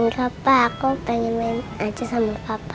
gak pak aku pengen main aja sama papa